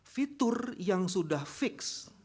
fitur yang sudah fix